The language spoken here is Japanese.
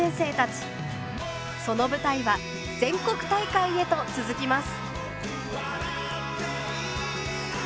その舞台は全国大会へと続きます。